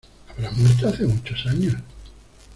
¿ habrá muerto hace muchos años?